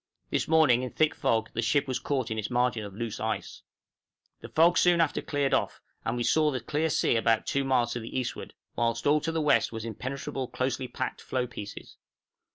This morning, in thick fog, the ship was caught in its margin of loose ice. The fog soon after cleared off, and we saw the clear sea about two miles to the eastward, whilst all to the west was impenetrable closely packed floe pieces.